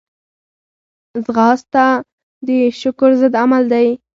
ځغاسته د شکر ضد عمل دی